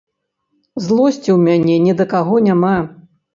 Злосці ў мяне ні да каго няма.